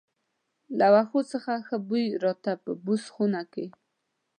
له وښو څخه ښه بوی راته، په بوس خونه کې.